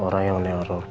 kau akan selamat lagi mas